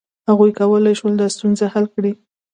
هغوی کولای شول دا ستونزه حل کړي.